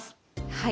はい。